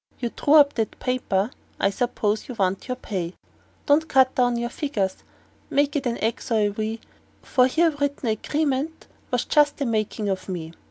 You drew up that paper I s'pose you want your pay. Don't cut down your figures; make it an X or a V; For that 'ere written agreement was just the makin' of me.